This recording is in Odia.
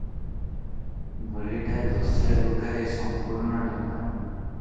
ଡୋଲିଟା ଦଶିଆ ଲୁଗାରେ ସମ୍ପୂର୍ଣ୍ଣ ଢଙ୍କା ।